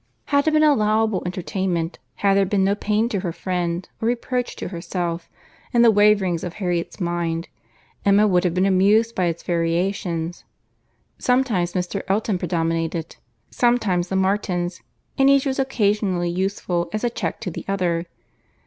Had it been allowable entertainment, had there been no pain to her friend, or reproach to herself, in the waverings of Harriet's mind, Emma would have been amused by its variations. Sometimes Mr. Elton predominated, sometimes the Martins; and each was occasionally useful as a check to the other.